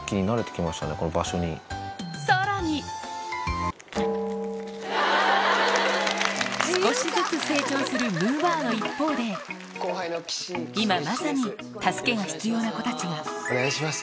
さらに少しずつ成長するむぅばあの一方で今まさに助けが必要な子たちがお願いします。